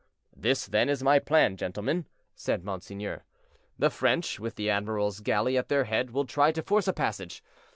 "This, then, is my plan, gentlemen," said monseigneur. "The French, with the admiral's galley at their head, will try to force a passage.